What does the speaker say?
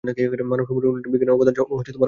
মানবসভ্যতার উন্নয়নে বিজ্ঞানের অবদান অসামান্য।